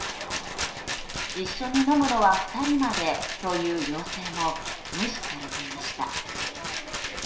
一緒に飲むのは２人までという要請も無視されていました。